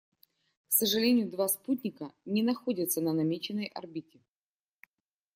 К сожалению, два спутника не находятся на намеченной орбите.